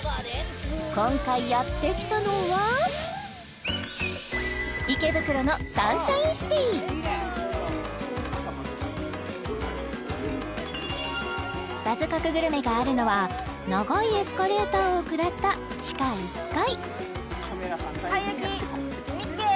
今回やってきたのは“バズ確”グルメがあるのは長いエスカレーターを下った地下１階